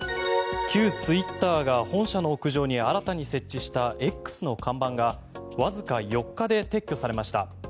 旧ツイッターが本社の屋上に新たに設置したＸの看板がわずか４日で撤去されました。